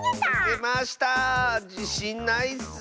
じしんないッス。